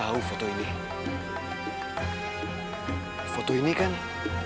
ya ampun aku tuh harus pulang ke jakarta